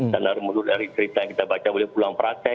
dan dari cerita yang kita baca beliau pulang praktek